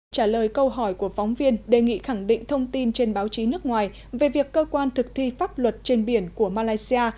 trả lời câu hỏi của phóng viên đề nghị khẳng định thông tin trên báo chí nước ngoài về việc cơ quan thực thi pháp luật trên biển của malaysia